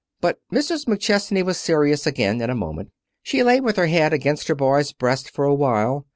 But Mrs. McChesney was serious again in a moment. She lay with her head against her boy's breast for a while.